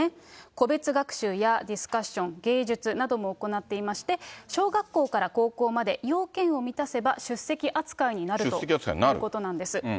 個別学習やディスカッション、芸術なども行っていまして、小学校から高校まで要件を満たせば出席扱いになるということなん出席扱いになる。